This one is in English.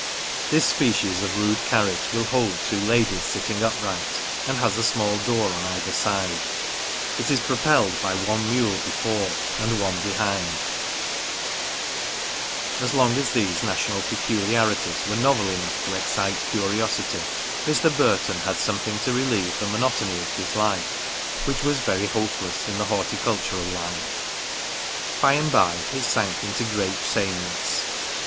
This species of rude carriage will hold two ladies sitting in Teheran^ as formerly in England, unite the I upright, and has a small door on either side ; Charles Dickens.] BEEAD OF LIFE. 321 it is propelled by one mule before and one behind. As long as these national peculiarities were novel enough to excite curiosity, Mr. Burton had something to relieve the monotony of his life, which was very hopeless in the horticul tural line. By and bye it sank into great sameness.